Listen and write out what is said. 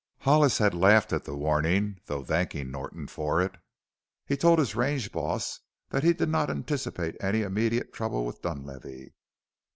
Hollis had laughed at the warning, though thanking Norton for it. He told his range boss that he did not anticipate any immediate trouble with Dunlavey.